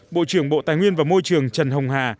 bộ trưởng bộ tài nguyên và môi trường trần hồng hà